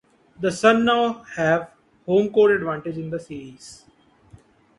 The Sun now have home court advantage in the series.